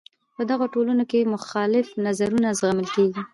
په دغو ټولنو کې مخالف نظرونه زغمل کیږي.